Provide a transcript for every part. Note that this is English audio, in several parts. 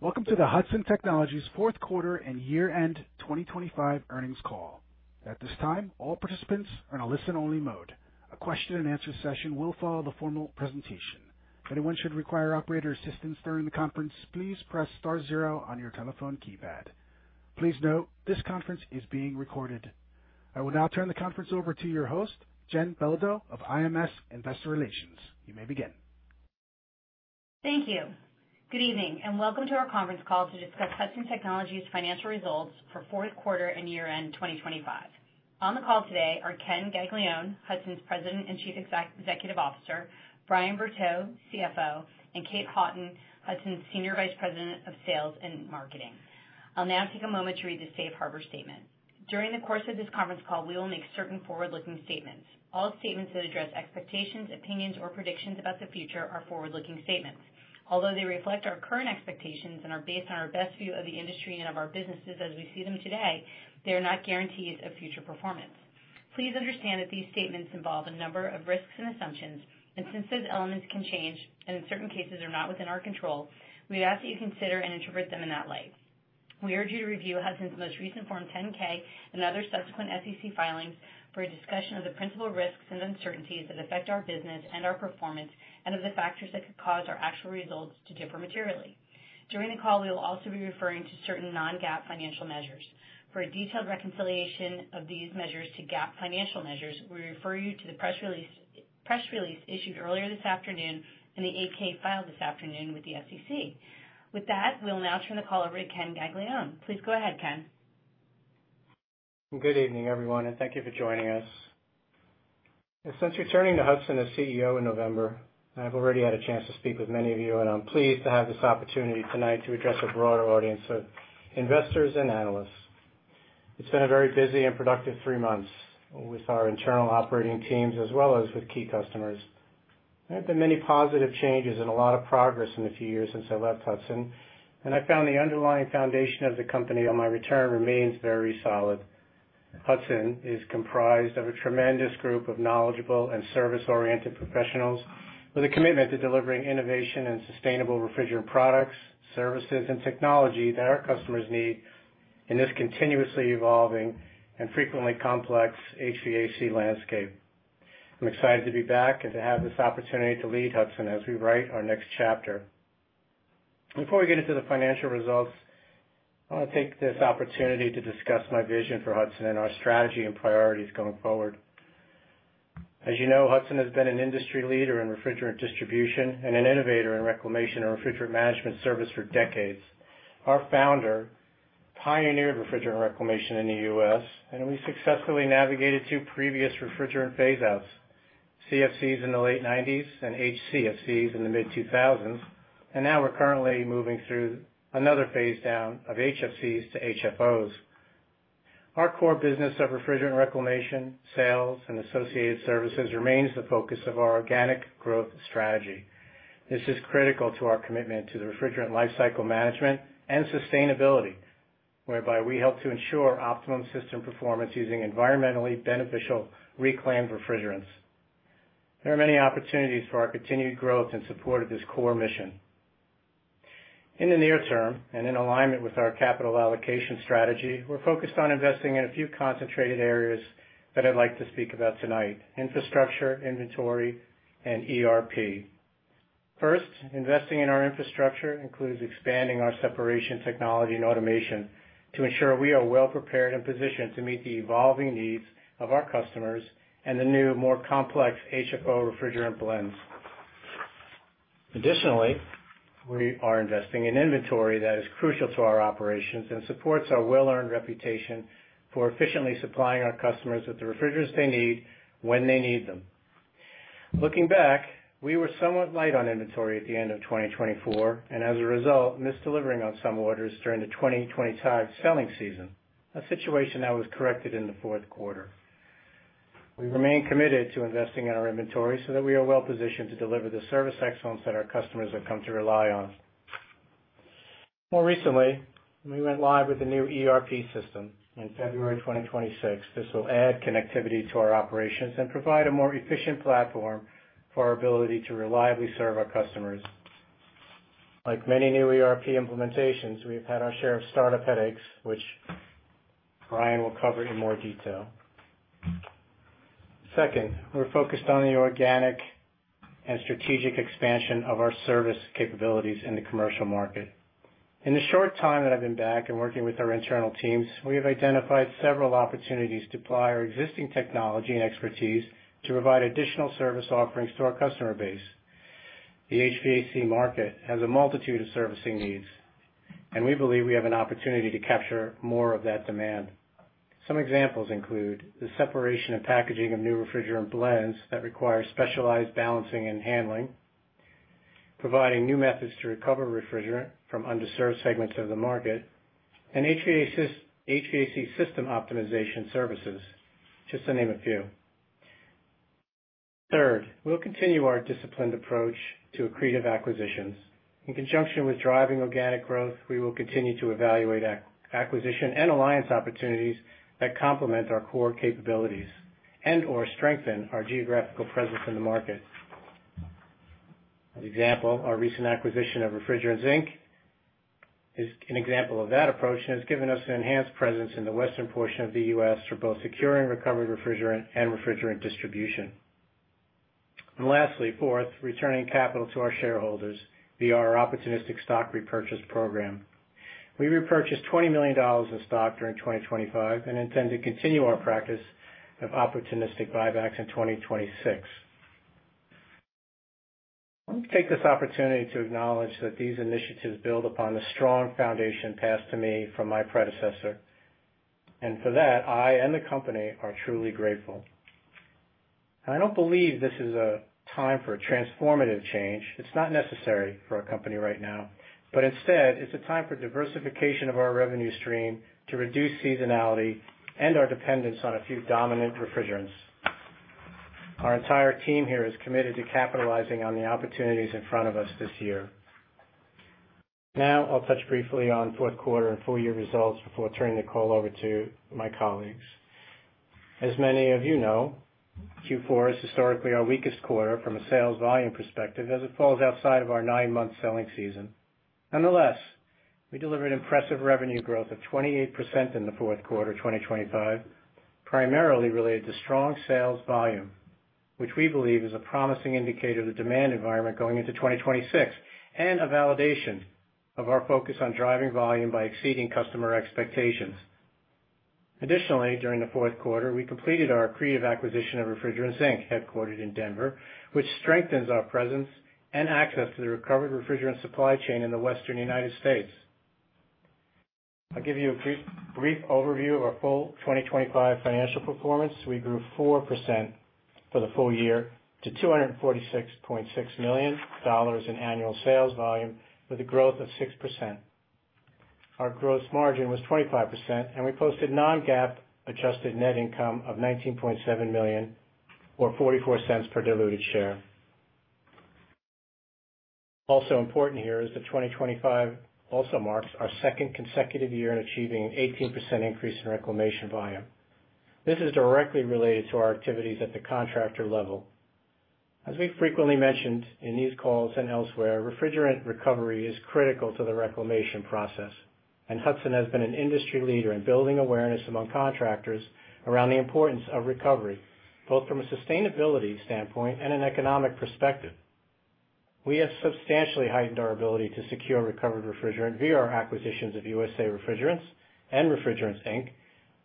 Greetings. Welcome to the Hudson Technologies Q4 and year-end 2025 earnings call. At this time, all participants are in a listen-only mode. A question and answer session will follow the formal presentation. If anyone should require operator assistance during the conference, please press star zero on your telephone keypad. Please note this conference is being recorded. I will now turn the conference over to your host, Jen Belodeau of IMS Investor Relations. You may begin. Thank you. Good evening, and welcome to our conference call to discuss Hudson Technologies financial results for Q4 and year end 2025. On the call today are Ken Gaglione, Hudson's President and Chief Executive Officer, Brian Bertaux, CFO, and Kate Houghton, Hudson's Senior Vice President of Sales and Marketing. I'll now take a moment to read the Safe Harbor statement. During the course of this conference call, we will make certain forward-looking statements. All statements that address expectations, opinions, or predictions about the future are forward-looking statements. Although they reflect our current expectations and are based on our best view of the industry and of our businesses as we see them today, they are not guarantees of future performance. Please understand that these statements involve a number of risks and assumptions, and since those elements can change and in certain cases are not within our control, we ask that you consider and interpret them in that light. We urge you to review Hudson's most recent Form 10-K and other subsequent SEC filings for a discussion of the principal risks and uncertainties that affect our business and our performance and of the factors that could cause our actual results to differ materially. During the call, we will also be referring to certain Non-GAAP financial measures. For a detailed reconciliation of these measures to GAAP financial measures, we refer you to the press release issued earlier this afternoon and the 8-K filed this afternoon with the SEC. With that, we'll now turn the call over to Ken Gaglione. Please go ahead, Ken. Good evening, everyone, and thank you for joining us. Since returning to Hudson as CEO in November, I've already had a chance to speak with many of you, and I'm pleased to have this opportunity tonight to address a broader audience of investors and analysts. It's been a very busy and productive three months with our internal operating teams as well as with key customers. There have been many positive changes and a lot of progress in the few years since I left Hudson, and I found the underlying foundation of the company on my return remains very solid. Hudson is comprised of a tremendous group of knowledgeable and service-oriented professionals with a commitment to delivering innovation and sustainable refrigerant products, services, and technology that our customers need in this continuously evolving and frequently complex HVAC landscape. I'm excited to be back and to have this opportunity to lead Hudson as we write our next chapter. Before we get into the financial results, I want to take this opportunity to discuss my vision for Hudson and our strategy and priorities going forward. As you know, Hudson has been an industry leader in refrigerant distribution and an innovator in reclamation and refrigerant management service for decades. Our founder pioneered refrigerant reclamation in the U.S., and we successfully navigated two previous refrigerant phaseouts, CFCs in the late nineties and HCFCs in the mid two thousands, and now we're currently moving through another phase down of HFCs to HFOs. Our core business of refrigerant reclamation, sales, and associated services remains the focus of our organic growth strategy. This is critical to our commitment to the refrigerant lifecycle management and sustainability, whereby we help to ensure optimum system performance using environmentally beneficial reclaimed refrigerants. There are many opportunities for our continued growth in support of this core mission. In the near term and in alignment with our capital allocation strategy, we're focused on investing in a few concentrated areas that I'd like to speak about tonight: infrastructure, inventory, and ERP. First, investing in our infrastructure includes expanding our separation technology and automation to ensure we are well prepared and positioned to meet the evolving needs of our customers and the new, more complex HFO refrigerant blends. Additionally, we are investing in inventory that is crucial to our operations and supports our well-earned reputation for efficiently supplying our customers with the refrigerants they need when they need them. Looking back, we were somewhat light on inventory at the end of 2024 and as a result, missed delivering on some orders during the 2025 selling season, a situation that was corrected in the Q4. We remain committed to investing in our inventory so that we are well-positioned to deliver the service excellence that our customers have come to rely on. More recently, we went live with a new ERP system in February 2026. This will add connectivity to our operations and provide a more efficient platform for our ability to reliably serve our customers. Like many new ERP implementations, we've had our share of startup headaches, which Brian will cover in more detail. Second, we're focused on the organic and strategic expansion of our service capabilities in the commercial market. In the short time that I've been back and working with our internal teams, we have identified several opportunities to apply our existing technology and expertise to provide additional service offerings to our customer base. The HVAC market has a multitude of servicing needs, and we believe we have an opportunity to capture more of that demand. Some examples include the separation and packaging of new refrigerant blends that require specialized balancing and handling, providing new methods to recover refrigerant from underserved segments of the market, and HVAC system optimization services, just to name a few. Third, we'll continue our disciplined approach to accretive acquisitions. In conjunction with driving organic growth, we will continue to evaluate acquisition and alliance opportunities that complement our core capabilities. Strengthen our geographical presence in the market. An example, our recent acquisition of Refrigerants, Inc. It's given us an enhanced presence in the western portion of the U.S. for both securing recovery refrigerant and refrigerant distribution. Lastly, fourth, returning capital to our shareholders via our opportunistic stock repurchase program. We repurchased $20 million in stock during 2025 and intend to continue our practice of opportunistic buybacks in 2026. Let me take this opportunity to acknowledge that these initiatives build upon the strong foundation passed to me from my predecessor, and for that, I and the company are truly grateful. I don't believe this is a time for a transformative change. It's not necessary for our company right now. Instead, it's a time for diversification of our revenue stream to reduce seasonality and our dependence on a few dominant refrigerants. Our entire team here is committed to capitalizing on the opportunities in front of us this year. I'll touch briefly on Q4 and full year results before turning the call over to my colleagues. As many of you know, Q4 is historically our weakest quarter from a sales volume perspective as it falls outside of our nine-month selling season. Nonetheless, we delivered impressive revenue growth of 28% in the Q4 2025, primarily related to strong sales volume, which we believe is a promising indicator of the demand environment going into 2026, and a validation of our focus on driving volume by exceeding customer expectations. Additionally, during the Q4, we completed our accretive acquisition of Refrigerants, Inc., headquartered in Denver, which strengthens our presence and access to the recovered refrigerant supply chain in the western United States. I'll give you a brief overview of our full 2025 financial performance. We grew 4% for the full year to $246.6 million in annual sales volume with a growth of 6%. Our gross margin was 25%. We posted non-GAAP adjusted net income of $19.7 million or $0.44 per diluted share. Also important here is that 2025 also marks our second consecutive year in achieving an 18% increase in reclamation volume. This is directly related to our activities at the contractor level. As we've frequently mentioned in these calls and elsewhere, refrigerant recovery is critical to the reclamation process, and Hudson has been an industry leader in building awareness among contractors around the importance of recovery, both from a sustainability standpoint and an economic perspective. We have substantially heightened our ability to secure recovered refrigerant via our acquisitions of USA Refrigerants and Refrigerants, Inc.,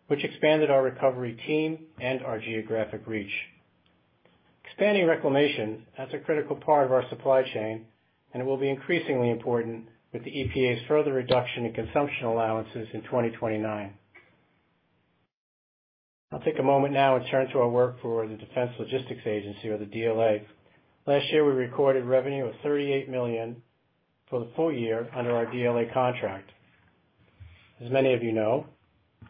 which expanded our recovery team and our geographic reach. Expanding reclamation, that's a critical part of our supply chain, and it will be increasingly important with the EPA's further reduction in consumption allowances in 2029. I'll take a moment now and turn to our work for the Defense Logistics Agency or the DLA. Last year, we recorded revenue of $38 million for the full year under our DLA contract. As many of you know,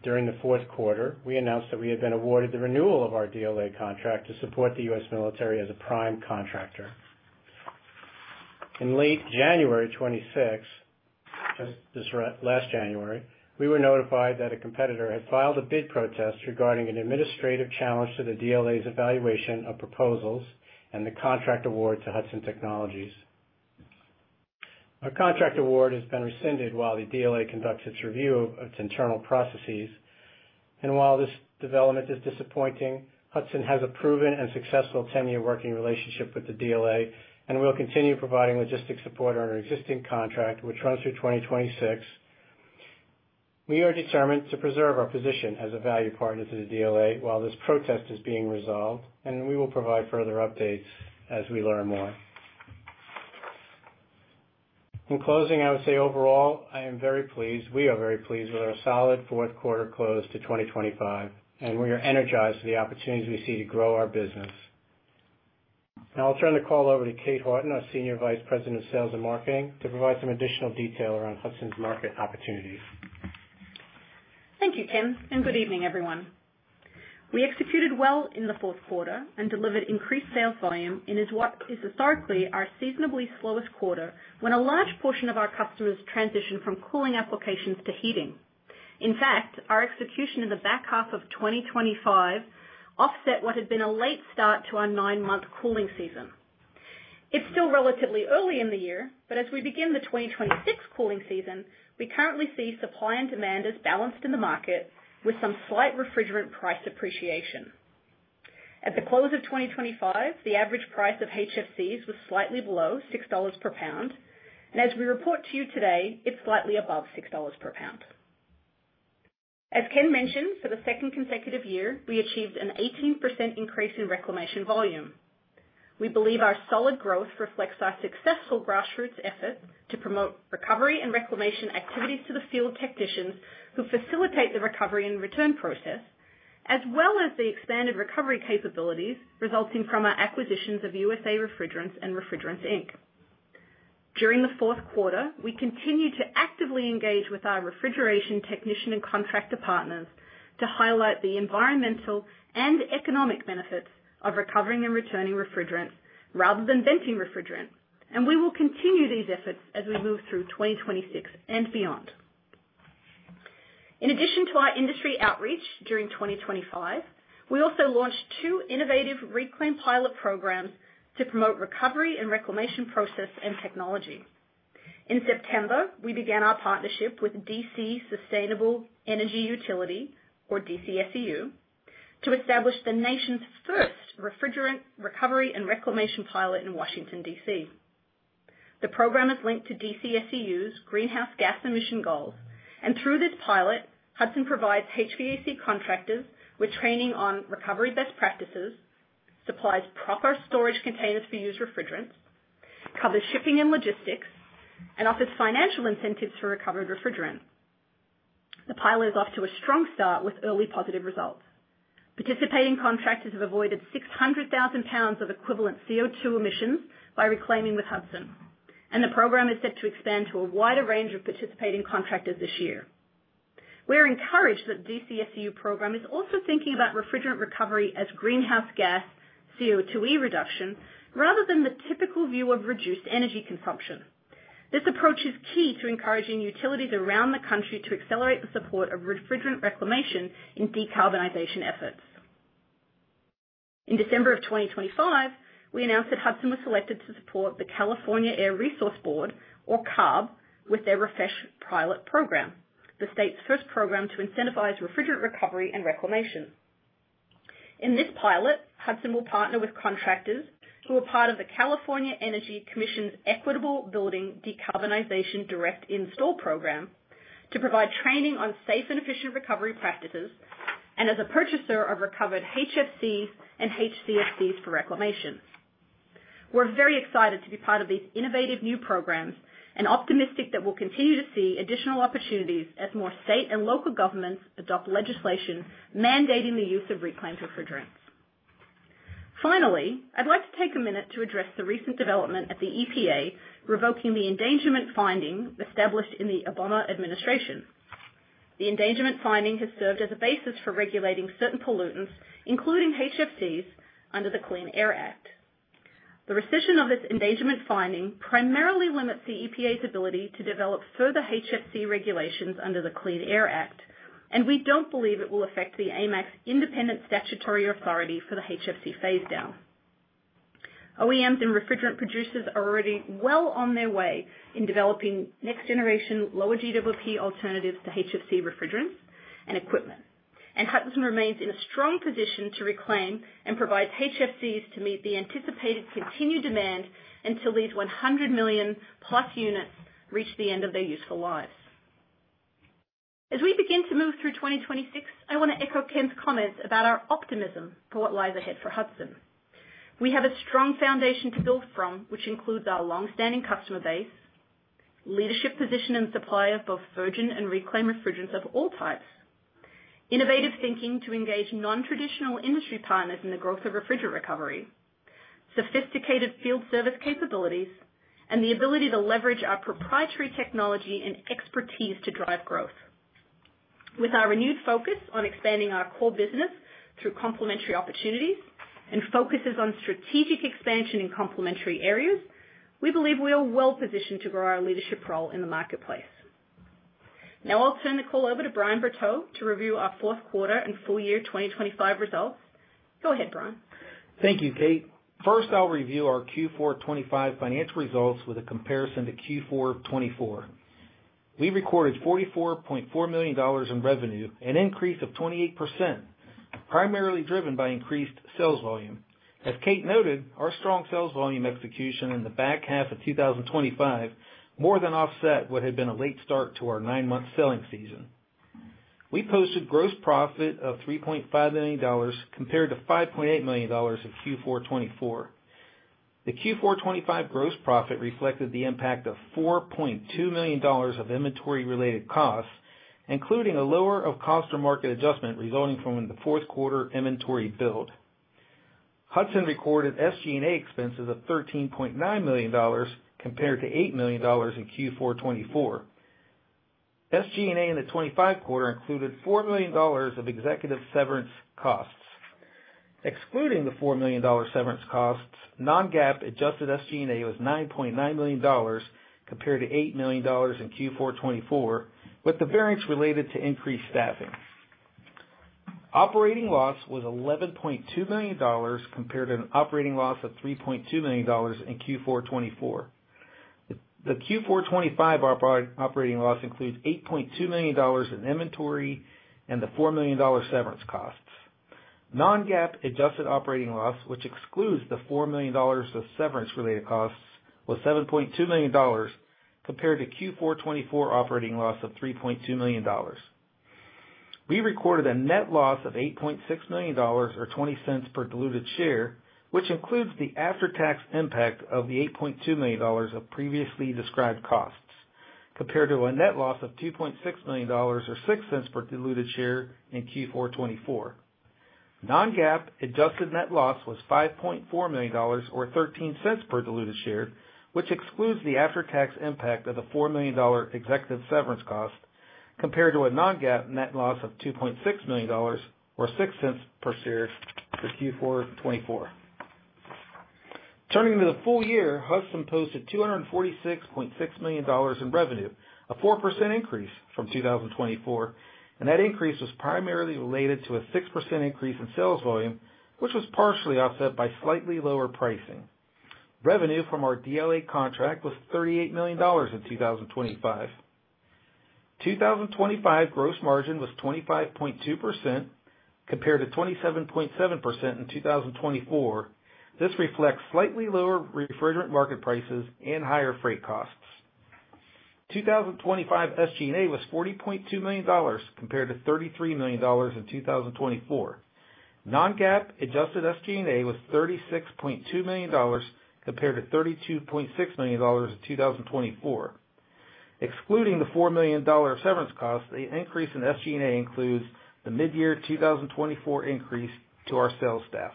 during the Q4, we announced that we had been awarded the renewal of our DLA contract to support the U.S. military as a prime contractor. In late January 2026, just this last January, we were notified that a competitor had filed a bid protest regarding an administrative challenge to the DLA's evaluation of proposals and the contract award to Hudson Technologies. Our contract award has been rescinded while the DLA conducts its review of its internal processes. While this development is disappointing, Hudson has a proven and successful 10-year working relationship with the DLA and will continue providing logistics support on our existing contract, which runs through 2026. We are determined to preserve our position as a valued partner to the DLA while this protest is being resolved, and we will provide further updates as we learn more. In closing, I would say overall, I am very pleased, we are very pleased with our solid Q4 close to 2025. We are energized for the opportunities we see to grow our business. Now I'll turn the call over to Kate Houghton, our Senior Vice President of Sales and Marketing, to provide some additional detail around Hudson's market opportunities. Good evening, everyone. We executed well in the Q4 and delivered increased sales volume in is what is historically our seasonably slowest quarter when a large portion of our customers transition from cooling applications to heating. In fact, our execution in the back half of 2025 offset what had been a late start to our nine-month cooling season. It's still relatively early in the year, but as we begin the 2026 cooling season, we currently see supply and demand as balanced in the market with some slight refrigerant price appreciation. At the close of 2025, the average price of HFCs was slightly below $6 per pound. As we report to you today, it's slightly above $6 per pound. As Ken mentioned, for the second consecutive year, we achieved an 18% increase in reclamation volume. We believe our solid growth reflects our successful grassroots efforts to promote recovery and reclamation activities to the field technicians who facilitate the recovery and return process, as well as the expanded recovery capabilities resulting from our acquisitions of USA Refrigerants and Refrigerants, Inc. During the Q4, we continued to actively engage with our refrigeration technician and contractor partners to highlight the environmental and economic benefits of recovering and returning refrigerants rather than venting refrigerants. We will continue these efforts as we move through 2026 and beyond. In addition to our industry outreach during 2025, we also launched two innovative reclaim pilot programs to promote recovery and reclamation process and technology. In September, we began our partnership with DC Sustainable Energy Utility, or DCSEU, to establish the nation's first refrigerant recovery and reclamation pilot in Washington, D.C. The program is linked to DCSEU's greenhouse gas emission goals, and through this pilot, Hudson provides HVAC contractors with training on recovery best practices, supplies proper storage containers for used refrigerants, covers shipping and logistics, and offers financial incentives for recovered refrigerant. The pilot is off to a strong start with early positive results. Participating contractors have avoided 600,000 pounds of equivalent CO₂ emissions by reclaiming with Hudson. The program is set to expand to a wider range of participating contractors this year. We are encouraged that DCSEU program is also thinking about refrigerant recovery as greenhouse gas CO₂e reduction rather than the typical view of reduced energy consumption. This approach is key to encouraging utilities around the country to accelerate the support of refrigerant reclamation in decarbonization efforts. In December of 2025, we announced that Hudson was selected to support the California Air Resources Board, or CARB, with their REFRESH pilot program, the state's first program to incentivize refrigerant recovery and reclamation. In this pilot, Hudson will partner with contractors who are part of the California Energy Commission's Equitable Building Decarbonization Direct Install program to provide training on safe and efficient recovery practices and as a purchaser of recovered HFCs and HCFCs for reclamation. We're very excited to be part of these innovative new programs and optimistic that we'll continue to see additional opportunities as more state and local governments adopt legislation mandating the use of reclaimed refrigerants. I'd like to take a minute to address the recent development at the EPA revoking the endangerment finding established in the Obama administration. The endangerment finding has served as a basis for regulating certain pollutants, including HFCs, under the Clean Air Act. The rescission of this endangerment finding primarily limits the EPA's ability to develop further HFC regulations under the Clean Air Act, and we don't believe it will affect the AIM Act's independent statutory authority for the HFC phase down. OEMs and refrigerant producers are already well on their way in developing next generation lower GWP alternatives to HFC refrigerants and equipment. Hudson remains in a strong position to reclaim and provide HFCs to meet the anticipated continued demand until these 100 million+ units reach the end of their useful lives. As we begin to move through 2026, I want to echo Ken's comments about our optimism for what lies ahead for Hudson. We have a strong foundation to build from, which includes our long-standing customer base, leadership position and supply of both virgin and reclaimed refrigerants of all types, innovative thinking to engage nontraditional industry partners in the growth of refrigerant recovery, sophisticated field service capabilities, and the ability to leverage our proprietary technology and expertise to drive growth. With our renewed focus on expanding our core business through complementary opportunities and focuses on strategic expansion in complementary areas, we believe we are well positioned to grow our leadership role in the marketplace. Now I'll turn the call over to Brian Bertaux to review our Q4 and full year 2025 results. Go ahead, Brian. Thank you, Kate. I'll review our Q4 2025 financial results with a comparison to Q4 of 2024. We recorded $44.4 million in revenue, an increase of 28%, primarily driven by increased sales volume. As Kate noted, our strong sales volume execution in the back half of 2025 more than offset what had been a late start to our nine-month selling season. We posted gross profit of $3.5 million compared to $5.8 million in Q4 2024. The Q4 2025 gross profit reflected the impact of $4.2 million of inventory-related costs, including a lower of cost or market adjustment resulting from the Q4 inventory build. Hudson recorded SG&A expenses of $13.9 million compared to $8 million in Q4 2024. SG&A in the 2025 quarter included $4 million of executive severance costs. Excluding the $4 million severance costs, Non-GAAP adjusted SG&A was $9.9 million compared to $8 million in Q4 2024, with the variance related to increased staffing. Operating loss was $11.2 million compared to an operating loss of $3.2 million in Q4 2024. The Q4 25 operating loss includes $8.2 million in inventory and the $4 million severance costs. Non-GAAP adjusted operating loss, which excludes the $4 million of severance related costs, was $7.2 million compared to Q4 2024 operating loss of $3.2 million. We recorded a net loss of $8.6 million or $0.20 per diluted share, which includes the after-tax impact of the $8.2 million of previously described costs, compared to a net loss of $2.6 million or $0.06 per diluted share in Q4 2024. Non-GAAP adjusted net loss was $5.4 million or $0.13 per diluted share, which excludes the after-tax impact of the $4 million executive severance cost, compared to a Non-GAAP net loss of $2.6 million or $0.06 per share for Q4 of 2024.Turning to the full year, Hudson posted $246.6 million in revenue, a 4% increase from 2024, and that increase was primarily related to a 6% increase in sales volume, which was partially offset by slightly lower pricing. Revenue from our DLA contract was $38 million in 2025. 2025 gross margin was 25.2% compared to 27.7% in 2024. This reflects slightly lower refrigerant market prices and higher freight costs. 2025 SG&A was $40.2 million compared to $33 million in 2024. Non-GAAP adjusted SG&A was $36.2 million compared to $32.6 million in 2024. Excluding the $4 million severance cost, the increase in SG&A includes the mid-year 2024 increase to our sales staff.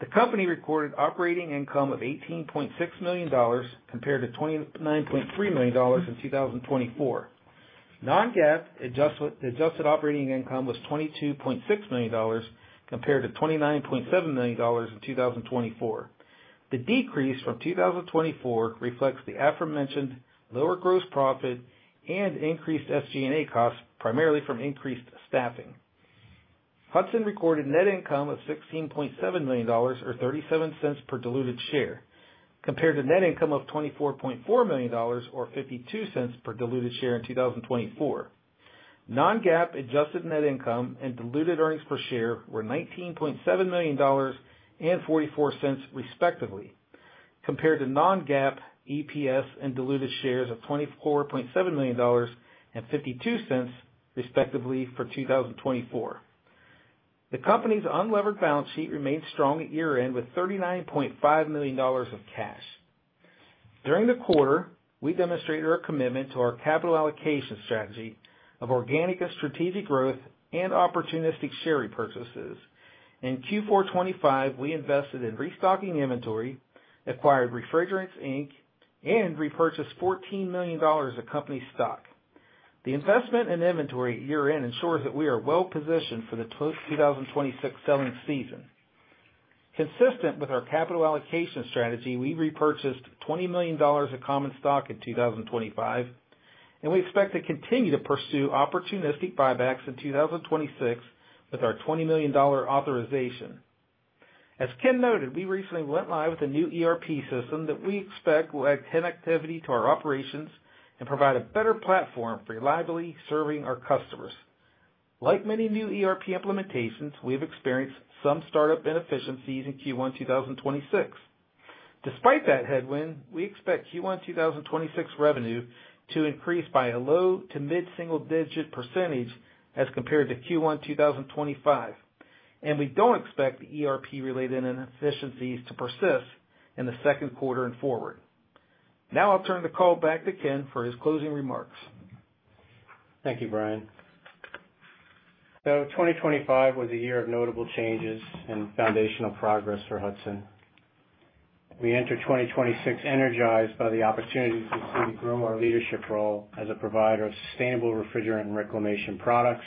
The company recorded operating income of $18.6 million compared to $29.3 million in 2024. Non-GAAP adjusted operating income was $22.6 million compared to $29.7 million in 2024. The decrease from 2024 reflects the aforementioned lower gross profit and increased SG&A costs, primarily from increased staffing. Hudson recorded net income of $16.7 million, or $0.37 per diluted share, compared to net income of $24.4 million or $0.52 per diluted share in 2024. Non-GAAP adjusted net income and diluted earnings per share were $19.7 million and $0.44, respectively, compared to Non-GAAP EPS and diluted shares of $24.7 million and $0.52, respectively, for 2024. The company's unlevered balance sheet remained strong at year-end with $39.5 million of cash. During the quarter, we demonstrated our commitment to our capital allocation strategy of organic and strategic growth and opportunistic share repurchases. In Q4 2025, we invested in restocking inventory, acquired Refrigerants, Inc., and repurchased $14 million of company stock. The investment in inventory year-end ensures that we are well positioned for the 2026 selling season. Consistent with our capital allocation strategy, we repurchased $20 million of common stock in 2025, and we expect to continue to pursue opportunistic buybacks in 2026 with our $20 million authorization. As Ken noted, we recently went live with a new ERP system that we expect will add connectivity to our operations and provide a better platform for reliably serving our customers. Like many new ERP implementations, we have experienced some startup inefficiencies in Q1 2026. Despite that headwind, we expect Q1 2026 revenue to increase by a low to mid-single digit % as compared to Q1 2025. We don't expect the ERP-related inefficiencies to persist in the Q2 and forward. Now I'll turn the call back to Ken for his closing remarks. Thank you, Brian. 2025 was a year of notable changes and foundational progress for Hudson. We enter 2026 energized by the opportunities to continue to grow our leadership role as a provider of sustainable refrigerant reclamation products,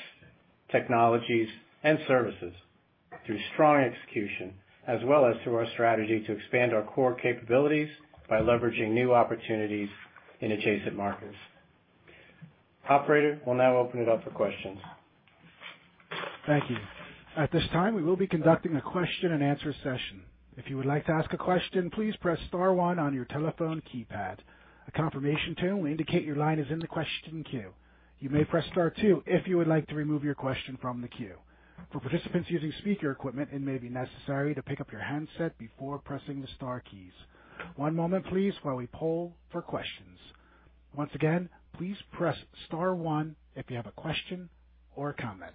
technologies, and services through strong execution, as well as through our strategy to expand our core capabilities by leveraging new opportunities in adjacent markets. Operator, we'll now open it up for questions. Thank you. At this time, we will be conducting a question and answer session. If you would like to ask a question, please press star one on your telephone keypad. A confirmation tone will indicate your line is in the question queue. You may press Star two if you would like to remove your question from the queue. For participants using speaker equipment, it may be necessary to pick up your handset before pressing the star keys. One moment, please, while we poll for questions. Once again, please press star one if you have a question or comment.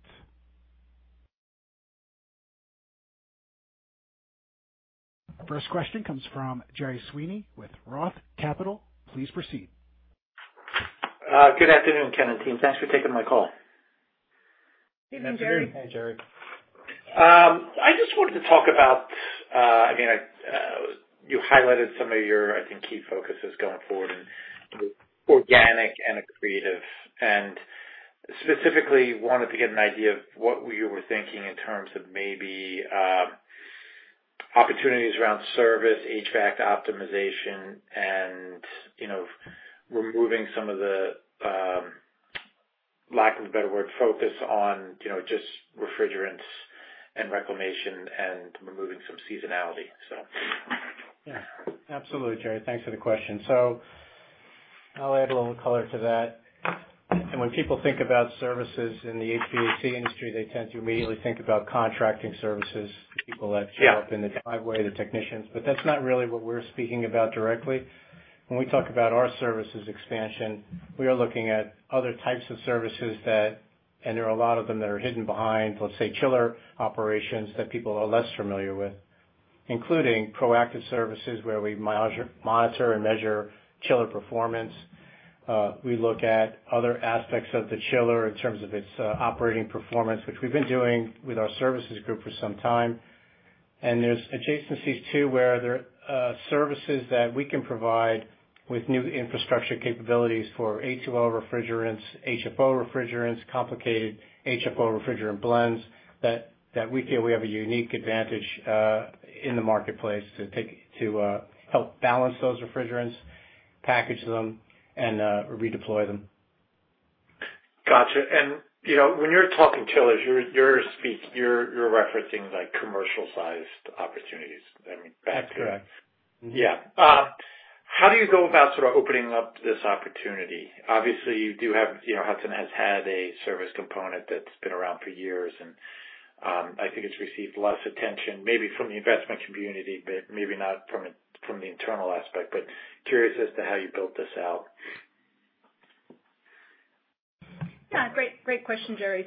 Our first question comes from Gerry Sweeney with Roth Capital Partners. Please proceed. Good afternoon, Ken and team. Thanks for taking my call. Good afternoon. Hi, Gerry. I just wanted to talk about, I mean, you highlighted some of your, I think, key focuses going forward in organic and accretive. Specifically wanted to get an idea of what you were thinking in terms of maybe, opportunities around service, HVAC optimization and, you know, removing some of the, lack of a better word, focus on, you know, just refrigerants and reclamation and removing some seasonality, so. Yeah, absolutely, Gerry. Thanks for the question. I'll add a little color to that. When people think about services in the HVAC industry, they tend to immediately think about contracting services, people that show up in the driveway, the technicians. That's not really what we're speaking about directly. When we talk about our services expansion, we are looking at other types of services that, and there are a lot of them that are hidden behind, let's say, chiller operations that people are less familiar with, including proactive services where we monitor and measure chiller performance. We look at other aspects of the chiller in terms of its operating performance, which we've been doing with our services group for some time. There's adjacencies too where Services that we can provide with new infrastructure capabilities for A2L refrigerants, HFO refrigerants, complicated HFO refrigerant blends that we feel we have a unique advantage in the marketplace to help balance those refrigerants, package them and redeploy them. Gotcha. You know, when you're talking chillers, you're referencing like commercial sized opportunities. I mean, back to that. That's correct. Yeah. How do you go about sort of opening up this opportunity? Obviously you do have, you know, Hudson has had a service component that's been around for years and, I think it's received less attention maybe from the investment community, but maybe not from the internal aspect. Curious as to how you built this out. Yeah. Great, great question, Gerry.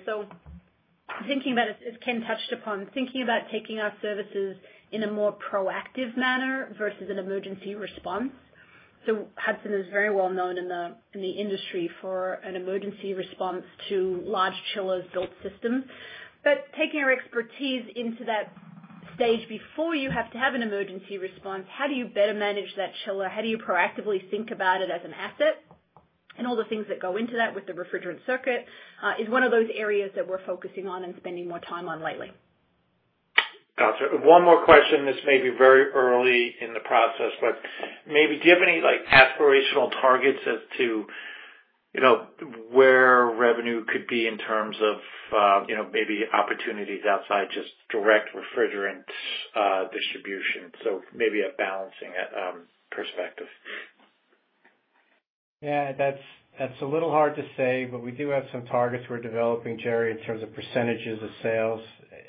Thinking about it, as Ken touched upon, thinking about taking our services in a more proactive manner versus an emergency response. Hudson is very well known in the industry for an emergency response to large chillers built systems. Taking our expertise into that stage before you have to have an emergency response, how do you better manage that chiller, how do you proactively think about it as an asset and all the things that go into that with the refrigerant circuit, is one of those areas that we're focusing on and spending more time on lately. Gotcha. One more question. This may be very early in the process, but maybe do you have any like aspirational targets as to, you know, where revenue could be in terms of, you know, maybe opportunities outside just direct refrigerant distribution? Maybe a balancing perspective. Yeah, that's a little hard to say, but we do have some targets we're developing, Jerry, in terms of percentages of sales.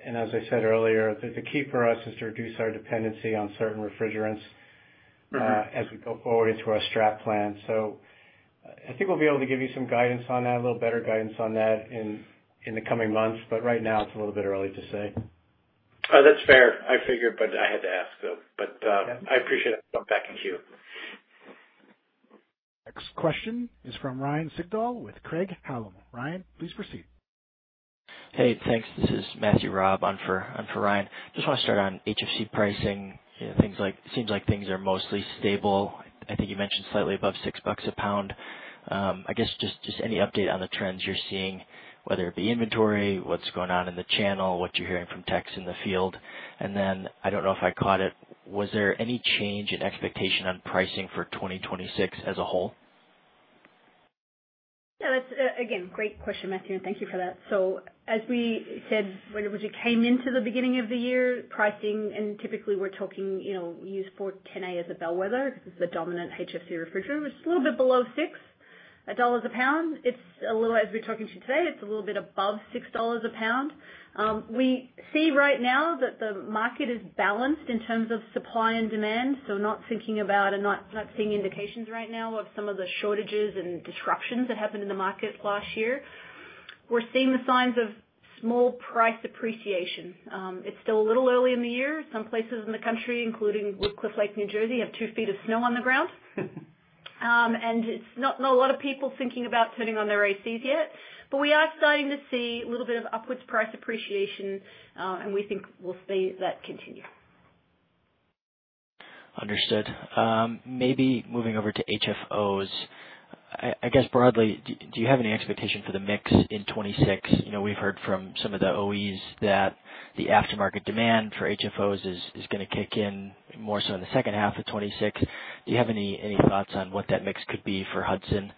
As I said earlier, the key for us is to reduce our dependency on certain refrigerants. Mm-hmm... as we go forward into our strat plan. I think we'll be able to give you some guidance on that, a little better guidance on that in the coming months. Right now it's a little bit early to say. That's fair. I figured, but I had to ask though. Yeah I appreciate it. I'll come back in queue. Next question is from Ryan Sigdahl with Craig-Hallum. Ryan, please proceed. Hey, thanks. This is Matthew Robb on for Ryan. Just wanna start on HFC pricing. You know, Seems like things are mostly stable. I think you mentioned slightly above $6 a pound. I guess just any update on the trends you're seeing, whether it be inventory, what's going on in the channel, what you're hearing from techs in the field. Then, I don't know if I caught it, was there any change in expectation on pricing for 2026 as a whole? Yeah, that's a, again, great question, Matthew. Thank you for that. As we said, when we came into the beginning of the year, pricing, and typically we're talking, you know, we use R-410A as a bellwether because it's the dominant HFC refrigerant. It was a little bit below $6 a pound. As we're talking to you today, it's a little bit above $6 a pound. We see right now that the market is balanced in terms of supply and demand, not thinking about and not seeing indications right now of some of the shortages and disruptions that happened in the market last year. We're seeing the signs of small price appreciation. It's still a little early in the year. Some places in the country, including Woodcliff Lake, New Jersey, have 2 feet of snow on the ground. It's not a lot of people thinking about turning on their ACs yet. We are starting to see a little bit of upwards price appreciation, and we think we'll see that continue. Understood. Maybe moving over to HFOs. I guess broadly, do you have any expectation for the mix in 2026? You know, we've heard from some of the OEs that the aftermarket demand for HFOs is gonna kick in more so in the second half of 2026. Do you have any thoughts on what that mix could be for Hudson?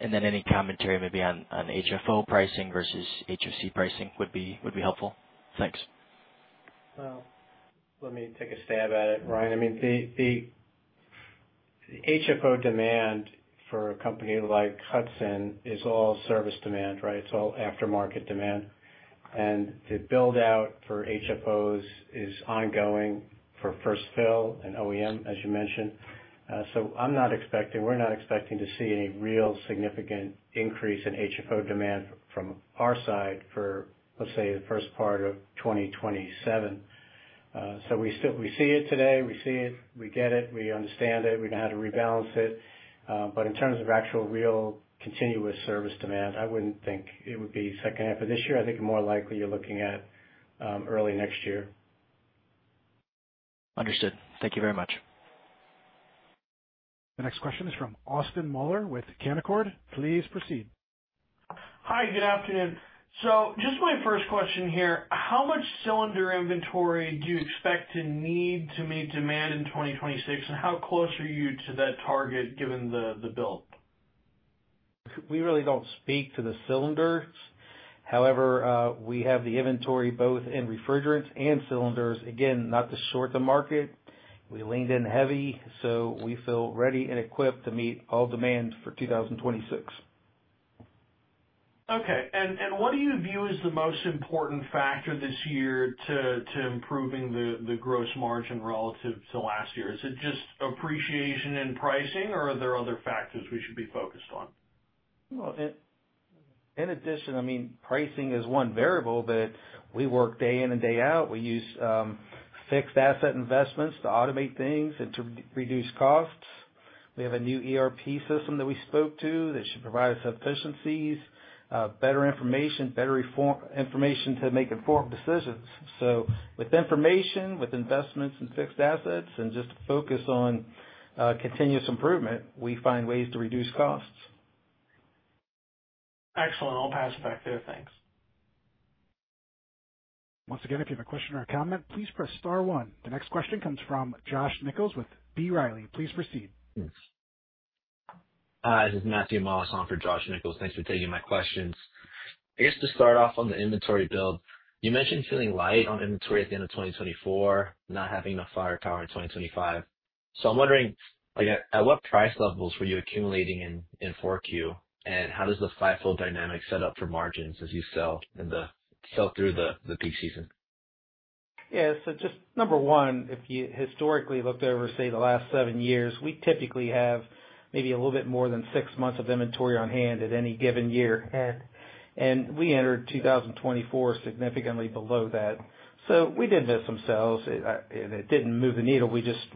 Any commentary maybe on HFO pricing versus HFC pricing would be helpful. Thanks. Well, let me take a stab at it, Ryan. I mean, the HFO demand for a company like Hudson is all service demand, right? It's all aftermarket demand. The build-out for HFOs is ongoing for first fill and OEM, as you mentioned. I'm not expecting, we're not expecting to see any real significant increase in HFO demand from our side for, let's say, the first part of 2027. We see it today, we see it, we get it, we understand it, we know how to rebalance it. In terms of actual real continuous service demand, I wouldn't think it would be second half of this year. I think more likely you're looking at early next year. Understood. Thank you very much. The next question is from Austin Moeller with Canaccord. Please proceed. Hi, good afternoon. Just my first question here. How much cylinder inventory do you expect to need to meet demand in 2026, and how close are you to that target given the build? We really don't speak to the cylinders. However, we have the inventory both in refrigerants and cylinders. Again, not to short the market, we leaned in heavy, we feel ready and equipped to meet all demand for 2026. Okay. What do you view as the most important factor this year to improving the gross margin relative to last year? Is it just appreciation and pricing, or are there other factors we should be focused on? Well, in addition, I mean, pricing is one variable that we work day in and day out. We use fixed asset investments to automate things and to reduce costs. We have a new ERP system that we spoke to that should provide us efficiencies, better information to make informed decisions. With information, with investments in fixed assets and just a focus on continuous improvement, we find ways to reduce costs. Excellent. I'll pass it back to you. Thanks. Once again, if you have a question or a comment, please press star one. The next question comes from Josh Nichols with B. Riley. Please proceed. Hi, this is Matthew Moss for Josh Nichols. Thanks for taking my questions. I guess to start off on the inventory build, you mentioned feeling light on inventory at the end of 2024, not having enough firepower in 2025. I'm wondering, like, at what price levels were you accumulating in 4Q, and how does the five-fold dynamic set up for margins as you sell through the peak season? Yeah. Just number one, if you historically looked over, say, the last sevenyears, we typically have maybe a little bit more than six months of inventory on hand at any given year. Yeah. We entered 2024 significantly below that. We did miss some sales. It didn't move the needle.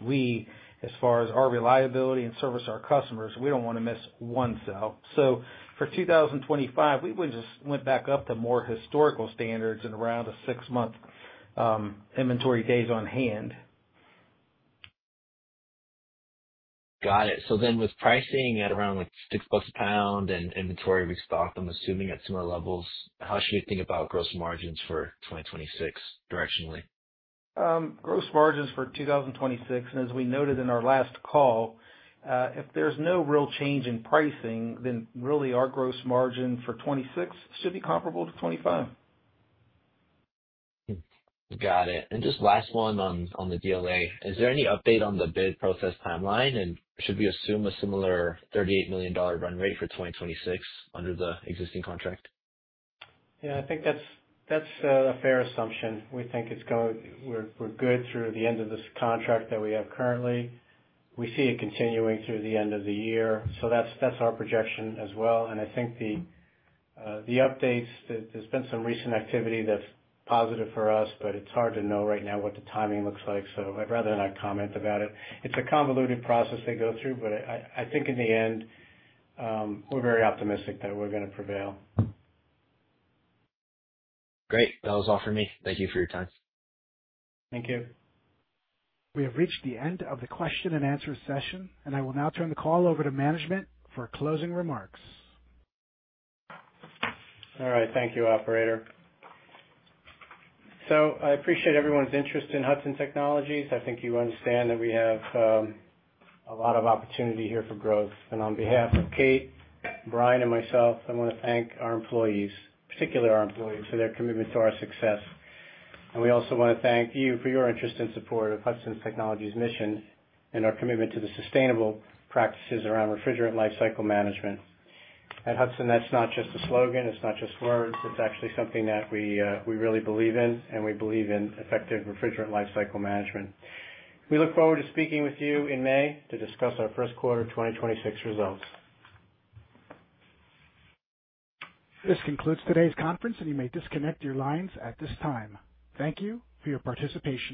We, as far as our reliability and service to our customers, we don't wanna miss one sale. For 2025, just went back up to more historical standards and around a six-month inventory days on hand. Got it. With pricing at around, like, $6 plus a pound and inventory restock, I'm assuming at similar levels, how should we think about gross margins for 2026 directionally? Gross margins for 2026. As we noted in our last call, if there's no real change in pricing, then really our gross margin for 26 should be comparable to 25. Got it. Just last one on the DLA. Is there any update on the bid process timeline, and should we assume a similar $38 million run rate for 2026 under the existing contract? Yeah, I think that's a fair assumption. We think we're good through the end of this contract that we have currently. We see it continuing through the end of the year. That's our projection as well. I think the updates, there's been some recent activity that's positive for us, but it's hard to know right now what the timing looks like. I'd rather not comment about it. It's a convoluted process they go through, but I think in the end, we're very optimistic that we're gonna prevail. Great. That was all for me. Thank you for your time. Thank you. We have reached the end of the question and answer session. I will now turn the call over to management for closing remarks. All right. Thank you, operator. I appreciate everyone's interest in Hudson Technologies. I think you understand that we have a lot of opportunity here for growth. On behalf of Kate, Brian, and myself, I wanna thank our employees, particularly our employees, for their commitment to our success. We also wanna thank you for your interest and support of Hudson Technologies' mission and our commitment to the sustainable practices around refrigerant lifecycle management. At Hudson, that's not just a slogan, it's not just words, it's actually something that we really believe in, and we believe in effective refrigerant lifecycle management. We look forward to speaking with you in May to discuss our Q1 2026 results. This concludes today's conference, and you may disconnect your lines at this time. Thank you for your participation.